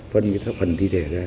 phần thi thể ra